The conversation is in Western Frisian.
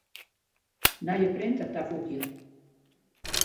Nije printer tafoegje.